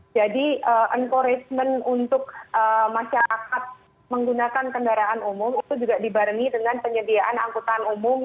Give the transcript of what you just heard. encouragement untuk masyarakat menggunakan kendaraan umum itu juga dibarengi dengan penyediaan angkutan umum